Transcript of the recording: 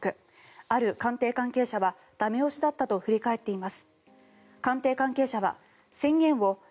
ある官邸関係者は駄目押しだったと振り返っています。